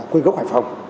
quân gốc hải phòng